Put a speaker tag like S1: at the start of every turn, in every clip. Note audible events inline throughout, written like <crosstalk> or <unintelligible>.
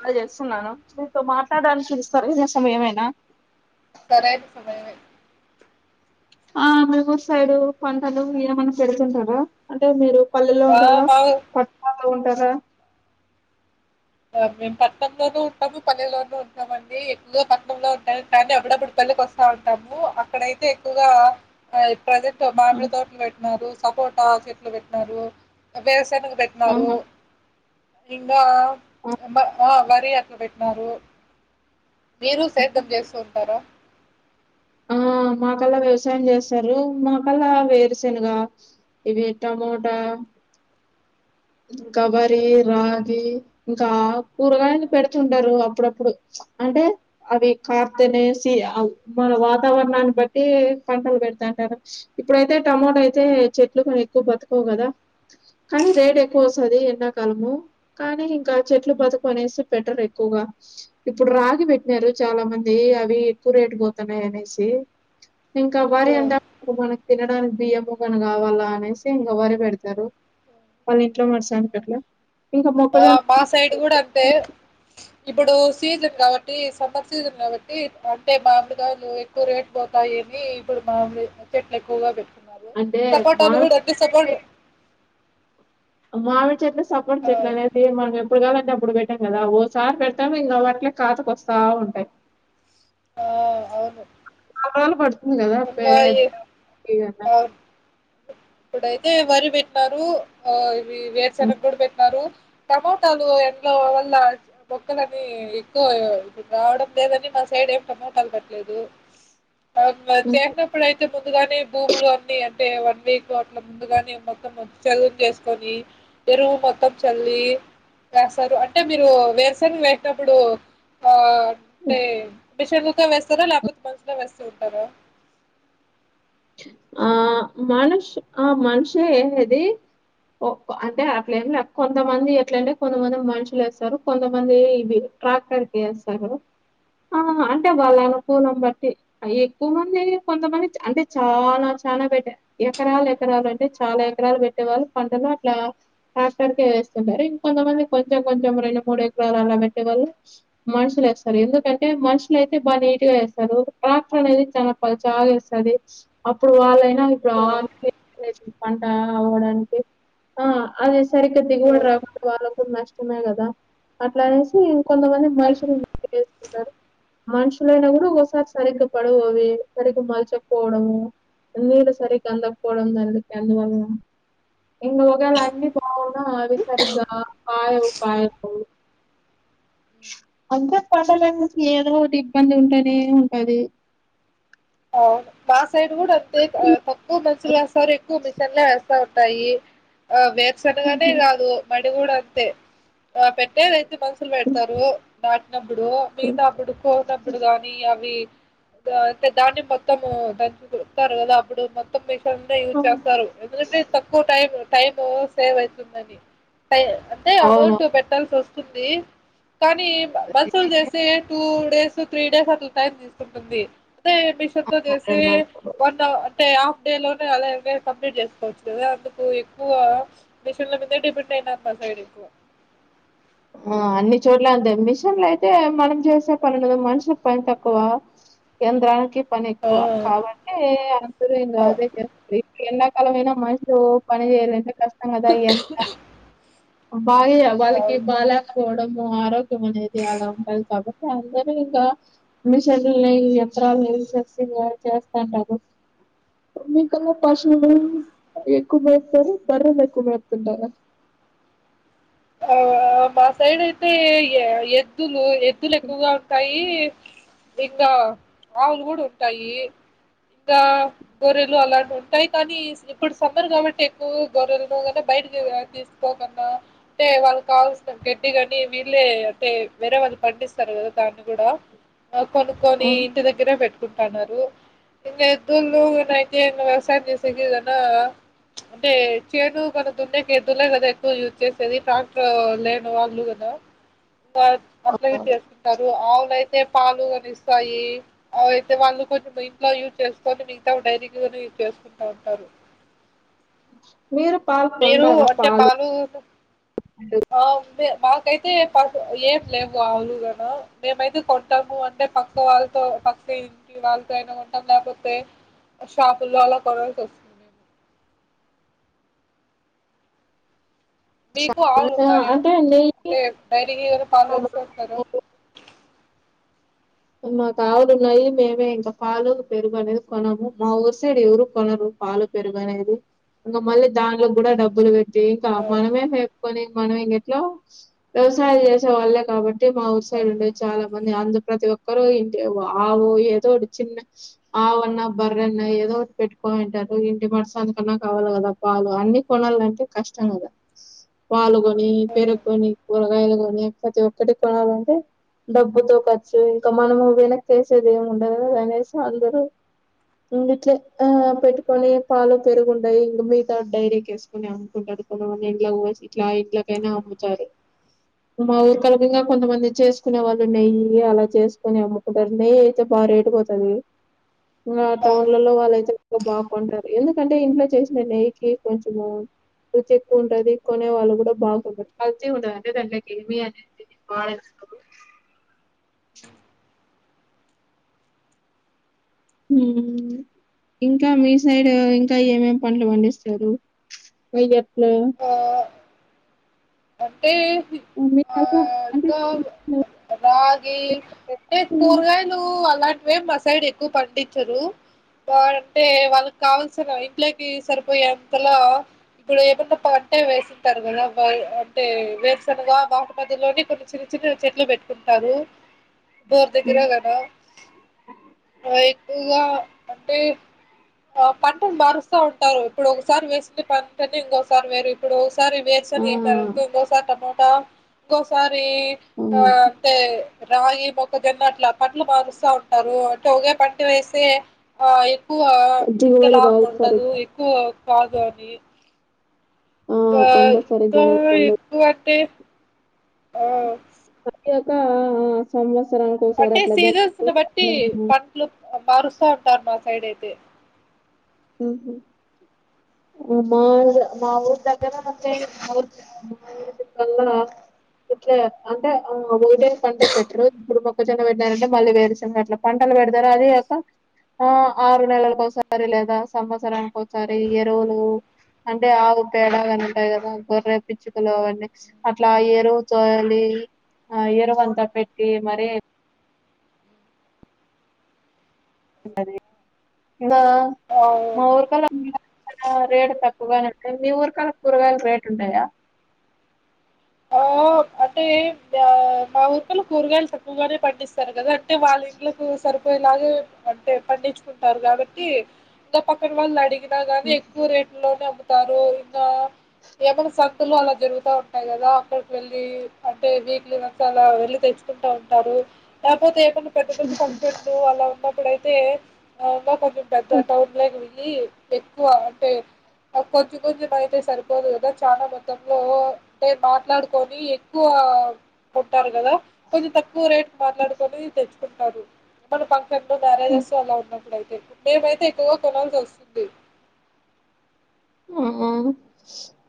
S1: ఇలా చేస్తున్నాను. మీతో మాట్లాడడానికి ఇది సరైనా సమయమేనా.
S2: సరైనా సమయమే.
S1: ఆ మీ ఊరు సైడు పంటలు ఎమన్నా పెడుతుంటరా అంటే మీరు పల్లెలో
S2: ఆ
S1: ఉంటరా,
S2: మా
S1: పట్నంలో ఉంటా రా
S2: మేము పట్నంలోనూ ఉంటాము, పల్లెలోను ఉంటాం అండి. ఎక్కువగా పట్నంలో ఉంటాం, కానీ అప్పుడప్పుడు పల్లెకు వస్తా ఉంటాము. అక్కడయితే ఎక్కువగా ప్రజెంట్ మామిడి తోటలు పెట్టినారు, సపోటా చెట్లు పెట్టినారు, వేరుసేనగ పెట్టినారు.
S1: ఆహా
S2: ఇంగా మా ఆ వరి అట్లా పెట్టినారు. మీరు సేద్యం చేస్తూ ఉంటారా.
S1: ఆ మాకల్లా వ్యవసాయం చేస్తారు. మాకల్లా వేరుశనుగ ఇవి టమోటా ఇంకా వరి, రాగి ఇంకా కూరగాయలు పెడుతుంటరు అప్పు అప్పుడప్పుడు అంటే అవి కాత్తనేసి మన వాత వాతావరణాన్ని బట్టి పంటలు పెడతాంటారు. ఇప్పుడయితే టమోటా అయితే చెట్లు ఎక్కువ బతుకవు కదా, కానీ రేట్ ఎక్కువ వస్తది ఎండాకాలము. కానీ ఇంకా చెట్లు బతుకవు అనేసి పెట్టరు ఎక్కువగా. ఇప్పుడు రాగి పెట్టినారు చాలా మంది అవి ఎక్కువ రేటు పోతున్నాయి అనేసి. ది ఇంకా వరి అంటే
S2: ఉమ్.
S1: అప్పుడు మనకు తినడానికి బియ్యము గనీ కావల్ల అనేసి ఇంగ వరి పెడతారు వాళ్ళ ఇంట్లో మడసానికట్లా
S2: ఆ మా సైడ్ కూడా అంతే ఇప్పుడు సీజన్ కాబట్టి సమ్మర్ సీజన్ కాబట్టి అంటే మామిడికాయలు ఎక్కువ రేటు పోతాయని ఇప్పుడు మామిడి చెట్లు ఎక్కువగా పెట్
S1: అంటే
S2: సపోటాలు కూడా
S1: మామిడి
S2: అద్ సపోట్
S1: అ మామిడి సు సపోట చెట్లానేది మన ఇప్పుడు కావాలంటే అప్పుడు పెట్టాం కదా ఓసారి పెడతాము ఇంగ వాట్లే కాాతకొస్తా ఉంటాయి
S2: ఆ అవును
S1: కూరగాయలు, పండ్లు ఇది కదా
S2: ఇంగా
S1: పెద్ద
S2: ఈ
S1: <inaudible>
S2: అవును. ఇప్పుడైతే వరి పెట్టినారు. ఆ వి వేరుశనగ కూడా పెట్టినారు టమోటాలు ఎండ్ల వల్ల మొక్కలని ఎక్కువ రావడం లేదని మా సైడ్ ఎం టమోటాలు పెట్టలేదు మ చేసినప్పుడయితే ముందుగానే భూములు అన్నిీ అంటే వన్ వీక్ అట్లా ముందుగానే మొత్తం చదును చేసుకొని ఎరువు మొత్తం చల్లి వేస్తారు అంటే మీరు వేరుశేనగ వేసినప్పుడు ఆ పె మిషిండ్లతో వేస్తారా లేకపోతే మనుషులే వేస్తూ క్కద
S1: ఆ మనుషి ఆ మనిషే ఏసేది ఓ అంటే అట్లా ఏమి లే కొంతమంది ఎట్లంటే కొంతమంది మనుషులు వేస్తారు కొంతమంది ఇవి ట్రాక్టర్ కి ఏస్తారు కదా ఆ అంటే వాళ్ళ అనుకులం బట్టి ఎక్కువ మంది కొంతమంది అంటే చాలా చాల పెట్ట ఎకరాలు ఎకరాలు అంటే చాలా ఎకరాలు పెట్టే వాళ్ళు పంటలు అట్లా ట్రాక్టర్కే ఏస్తుంటారు ఇంకొంతమంది కొంచెం కొంచెం రెండు మూడు ఎకరాలు అలా పెట్టే వాళ్ళు మనుషులు ఏస్తారు ఎందుకంటే మనుషులుయితే బాగా నీట్ గా ఏస్తారు ట్రాక్టర్ అనేది చాలా పలుచగా ఏస్తంది అప్పుడు వాళ్ళ ఇప్పుడు ఆర్ పంట అవ్వడానికి ఆ అది సరిగ్గా దిగుబడి రాకుండా వాళ్ళకు నష్టమే కదా అట్లా అనేసి కొంతమంది మనుషులుఏస్తున్నారు మనుషులైనా కూడా ఒకొసారి సరిగ్గా పడవు సరిగ్గా మొల్ పోవడము నీళ్ు సరిగ్గా అందకపోవడం దానికి అందువలన ఇంగ ఒకేళ అన్ని బాగున్నా అవి సరిగ్గ కాయవు కాయలు అంత పంటాల ఏదోటి ఇబ్బంది ఉంటేనే ఉంటది
S2: అవును మ సైడ్డ్ కూడా అంతే ఆ పత్ క్కువ మీస్ లేస్తారు ఎక్కువ మిశింలే వేస్తా టయి ఆ వే సక్కగానే
S1: హుహు.
S2: రాదు బం డి కూడా అంతే ఆ పెట్టేదైతే మనుషులు పెడుతారు బట్ న్నప్పుడు మిగతా అప్పుడు కోతప్పుడు గానీ అవి గా తే దాన్ని మొత్తం దానికి చుడుతారు కదా అప్పుడు మొత్తం తండా యూజ్
S1: అవును.
S2: చేస్తారు ఎందుకంటే తక్కువ టైం టైము సేవ వతుందని అదే
S1: అవును.
S2: అమౌంట్ పెట్టాల్సి వస్తు సంది కానీ బసలు చేస్తే two days so three days అట్లా టైం తీస్తుంటుంది అ మిషన్ తో చేసి వన్ అవర్ అంటే హాఫ్ డే లోనే అలా కంప్లీట్ చేసుకోవచ్చు కదా అందుకు ఎక్కువ మిషన్ల మీద డిపెండ్ అయిన మా సైడ్ ఎక్కువ
S1: ఆ అన్ని చోట్ల అంతే మిషన్లు అయితే మనం చేసే పని ఉండదు మనుషుల పని తక్కువ కేంద్రానికి పని
S2: ఆ
S1: ఎక్కువ కాబట్టి అందరు ఇంగ
S2: అ
S1: అదే చేస్త రే ఎండ కాలమైనా మనుషులు ఓ పనే చేేయ్యారు ఎండక్ కష్టం కదా ఈ ఎండ బాహే వాల్కి
S2: అవును
S1: పోవడము ఆరోగ్యం అనేది అలా ఉంటది కాబట్టి అందరుూ ఇంకా మషర్ల్ని యంతరాలస చేస్తాంటారు పస్
S2: అవును
S1: కుమప్పరు బరవల కుమరప్పంటార
S2: ఆ మా సైడ్ అయితే ఎద్దు ఎత్తులు ఎక్కువగా ఉంటాయి ఇంకా ఆవులు కూడా ఉంటాయి ఇంకా గొర్రెలు అలాంటి ఉంటాయి కానీ ఇప్పుడు సమ్మర్ కాబట్టి ఎక్కువ గొరెలను కన్నా బయటకి తీసుకోకున్నా అంటే వాళ్ళు కావల్సిన గడ్డి కాని వీళ్ళే అంటే వేరే వాళ్ళు పండిస్తారు కదా దాన్ని కూడా
S1: ఆ,
S2: కొనుక్కొని ఇంటి దగ్గరే పెట్టుకుంట న్నారు ఇంక ఎద్దులుతే వ్యవసాయం చేసేదనా అంటే చెడు మన దున్నెకి ఎద్దులే కదా ఎక్కువ యూజ్ చే సది టట్ లేను వాగులుదదా అట్లవి చేస్తుంటారు ఆ అయితే పాలు కని ఇస్తాయి అయితే వాళ్ళు కొంచెం ఇంట్లో యూజ్ చేసుకొని మితా డైరీ యూజ్ చేసుకుంటా ఉంటారు
S1: మీరు పాల్ కొడారా పాలు
S2: అఓ మాకైతే ప ఏం లేవు ఆవులుగాన మేమైతే కొంటాము అంటే పక్క వాళ్ళతో పక్క ఇంటి వాళ్ళతో అయినా కొంటాం లేకపోతే షాపుల్లో అలా కొనల్సి వస్తుంది మేము మీకు ఆవులు
S1: ఆ,
S2: ఉన్నాయా
S1: అంటే నెయ్యి
S2: అంటే డైరీకి ఫాలో చేస్తే వస్తారు
S1: మా కావుడు మళ్ళీ మేమే ఇంకా పాలు పెరుగు అనేది కొనము మా ఊరు సైడ్ ఎవరు కొనరు పాలు పెరుగు అనేది ఇంకా మళ్ళీ దాంట్లో కూడా డబ్బులు పెట్ ద కా
S2: ఆ
S1: మనమే కొని మనం ఇంక ఎట్లా వ్యవసాయాలు చేసేవాళ్ళే కాబట్టి మాఊర్
S2: ఆ
S1: సైడ్ చాలా మ అంధ ప్రతి ఒ ఒకరు ఇ ఆవు ఏదోటి చిన్న ఆవన్నా బర్రన్నా ఏదో ఒకటి పెట్టుకోంటారు ఇంటి మరసానికన్నా కావాలి కదా పాలు అన్ని కొనాలంటే కష్టం కదా పాలు
S2: ఆ
S1: పేరుకునిగా ప్రతీ ఒకటి కొనాలంటే డబ్బుతో ఖర్చు ఇంగ మనము వెనకేసేది ఏమి ఉండదు అని అనేసి అందరు ఉరికే ఆ పెట్టుకొని పాలు పెరుగుంటాయి ఇంక మిగతా డైరీకేసుకొని అమ్ముకుంటాడు కొంతమంది ఇంట్లకు పోసి ఇట్లా ఇంట్లకైనా అమ్ముతారు మా ఊరు కొలగా కొంతమంది చేసుకునే వాళ్ళు నెయ్యి అలా చేస్ కొని అమ్ముకుంటారు నెయ్యి అయితే బాగా రేటు పోతది ఆ
S2: అవును.
S1: టౌన్లాల్లో వాళ్ళైతే బాగ్ కొంటారు ఎందుకంటే ఇంట్లో చేసిన నెయ్యి కొంచెము రుచి ఎక్కువుంటది కొనే వాళ్ళు కూడా బాగుంటారు కల్తీ ఉండదంటే దాంలోకి ఏమి అనే బాగా ఇంకా మీ సైడ్ ఇంకా ఏమేం పంటలు పండిస్తారు మీర్ చేప్ హ
S2: ఆ అంటే గ ఆ
S1: మీకల్లా అంటే
S2: గా రాగి ఏ కూరగాయలు అలాం మేం మా సైడ్ ఎక్కువ పండించరు ఆ అంటే వాళ్ళకావల్సిన ఇంట్లోకి సరిపోయే అంతల ఇప్పుడు ఏమున్నా పంటే వేసింటారు కదా అంటే వేరుసనగా బాట మధ్యలోనే కొన్ని చిన్న చిన్న చెట్లు పెట్టుకుంటారు బోర్ దగ్గరే
S1: హ్మ్
S2: కదా ఆ ఎక్కువుగా అంటే ఆ పంటని మారుస్తా ఉంటారు ఇప్పుడు ఒకసారి వేసిన పంటని ఇంకోసారి వేయరు ఇప్పుడు సరీ
S1: ఆ
S2: వేరుసెనగ ఎస్సర్ ఇంకోసారి టమోటా ఇంకోసారి ఆ
S1: అవును
S2: అంతే రాగి మొక్కజొన్న అట్లా పంట్లు మారుస్తా ఉంటారు అంటే ఒకే పంట వేస్తే ఆ ఏ ఎక్కువ అంతే
S1: దిగుబడి
S2: లాభం
S1: రాదు
S2: ఉండదు
S1: సరిగ్గా
S2: ఎక్కువ కాగాది
S1: ఆ
S2: గా
S1: పంట సరిగ్గానే
S2: గా
S1: పండదు
S2: ఎక్కువంటే ఆ
S1: ఆ ఆ సమ్మస్
S2: అంటే సీజన్స్ని బట్టి పంట్లు మారుస్తా ఉంటారు మా సైడ్ అయితే
S1: ఉహు మా మా ఊర్ దగ్గ ర మ <unintelligible> ల్లా ఇట్లే అంటే ఆ ఓటే పంటే పెట్టరు ఇప్పుడు మొక్కజన్న పెట్టారంటే మళ్ళీ వేరుసెనగ అట్లా పంటలు పెడతారు అది ఒక ఆరు నెలలకు ఒకసారి లేదా సంవత్సరానికి ఓసారి ఎరువులు అంటే ఆవు పేడ అవ్వన్నీ ఉంటయి కదా గొర్రె పిచ్చుకలు అవి అన్నీ అట్లా ఎరువు చోయలి ఆ ఎరువు అంతా పెట్టి మరి ఆ మా
S2: అవును
S1: ఊరి కల్లా <unintelligible> రేటు తక్కు <unintelligible> మీ ఊరు కల్ల కూరగాయలు రేటు ఉన్నాయా
S2: ఆ అంటే మా ఊరుకల్లా కూరగాయలు తక్కువగానే పండిస్ కదా అంటే వాళ్ళ ఇండ్లకు సరూ ఇలాగే అంటే పండించుకుంటారు కాబట్టి ఇల పక్కన వాళ్ళు అడిగి ట్లా గాని ఎక్కువ రేట్ లోనే అమ్ము తరు ఇంకా ఏకడో సతులు అలా జరుగుతా ఉంటాయి కదా. ఇక్కడికి వెళ్ళి అంటే వీక్లీ వన్స్ అలా వెళ్ళి తెచ్చుకుంటా ఉంటారు. లేకపోతే కొంచెం పెద్ద పెద్ద ఫంక్షన్లు అలా ఉన్నప్పుడు అయి తే ఒక కొ పెద్ద టౌన్ లోకి వెళ్ళి ఎక్కువ అంటే కొంచెం కొంచెం అయితే సరిపోదు కదా చాలా మొత్తంలో అంటే మాట్లాడు. కొని ఎక్కువ కొట్టారు కదా కొంచెం తక్కువ రేట్ మాట్లాడుకోని తెచ్ చెప్పారు మన ప చెప్పి బానే
S1: హ్మ్
S2: చేస్తూ అలా ఉన్నప్పుడైతే మేమైతే ఎక్కువగా కొనాల్సి వస్తుంది
S1: ఆ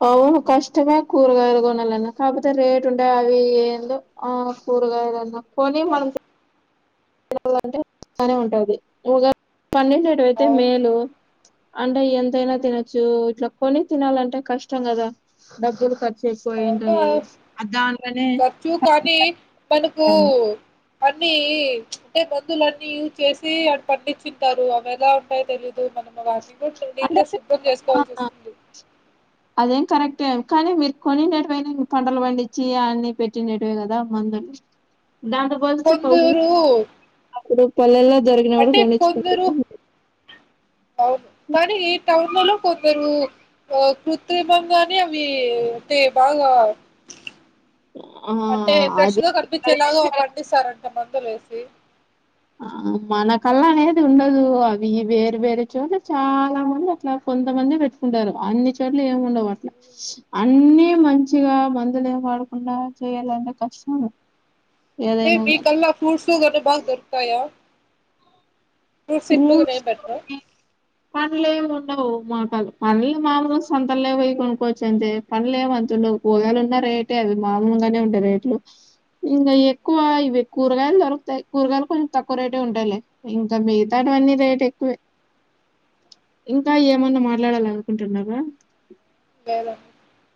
S1: అవును కష్టమే కూరగాయలు కొనాలన్నా కాకపోతే రేటు ఉంటే అవి ఏందో ఆ కూరగాయలు కొన్నా. కొనీ మనిస్ <unintelligible> ఉంటది నుగ పండించేటివైతే
S2: అవును
S1: మేలు అంటే ఎంతైనా తినొచ్చు ఇట్లా కొని తినాలంటే కష్టం కదా డబ్బులు కట్
S2: అవునా ఖర్చు కానీ మనకూ
S1: ము
S2: అన్నీ అంటే మంధులు అన్నీ యూజ్ చేసి అటు పండించింటారు అవి ఎలా ఉంటాయో తెలీదు మనము
S1: అంటే
S2: నీటీలో శుద్ధం
S1: ఆ
S2: చేసుకోవాల్సి వస్తుంది
S1: అదేం కరెక్టే కానీ మీరు కొనేనట్టువైతే పంటలు పండించి అన్ని పెట్టినటువే కదా మందులు దాంతో పోలిస్తే
S2: కొందరూ
S1: ఇప్పుడు పల్లేలే జరిగినప్పుడు కొనొచ్చుకుంట
S2: అవును కానీ ఈ టౌన్లలో కొందరు కృత్రిమంగానే అవి అంటే బాగా
S1: ఆ
S2: అంటే ఫ్రెష్
S1: అది
S2: గా కనిపించేలాగా
S1: ఇక్కడ
S2: పండిస్తారంట మందులు వేసి
S1: ఆ మనకల్లా అనేది ఉండదు అవి వేరు వేరు చోట్ల చాలా మంది అట్లా కొంతమంది పెట్టుకుంటారు అన్ని చోట్ల ఏమి ఉండవు అట్లా అన్నీ మంచిగా మందులు ఏం వాడకుండా చేయాలంటే కష్టమూ.
S2: మీ కల్లా ఫ్రూట్స్ టు గట్ల బాగదోరుకుతాయా
S1: ఫ్రూట్స్
S2: పెట్టరా
S1: <unintelligible> పండ్లేం ఉండవూ మా కల్ మామూలుగా సంతల్లనే పోయి కొనుక్కోవచ్చు అంతే పండ్లేం అంతుండవూ, కూరగాయలు ఉన్న రేటే అవి మామూలుగానే ఉంటాయి రేట్లు. ఇంకా ఎక్కువ ఇవి కూరగాయలు దొరుకుతాయి కూరగాయలు కొంచెం తక్కువ రేటే ఉంటాయిలే. ఇం ఇంగ మిగతాటవన్నీ రేట్ ఎక్కువే ఇంకా ఏమన్నా మాట్లాడాలనుకుంటున్నారా.
S2: <unintelligible>